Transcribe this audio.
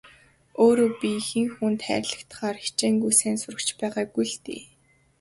Өөрөө би хэн хүнд хайрлагдахаар хичээнгүй сайн сурагч ч байгаагүй дээ.